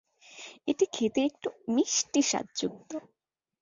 এটি খেতে একটু মিষ্টি স্বাদযুক্ত।